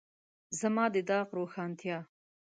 د زما داغ روښانتیا.